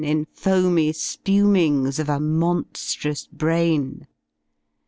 In foamy spummgs of a monSirous brain.